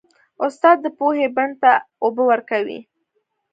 استاد د پوهې بڼ ته اوبه ورکوي.